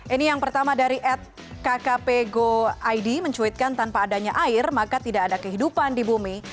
ini yang pertama dari at kkp go id mencuitkan tanpa adanya air maka tidak ada kehidupan di bumi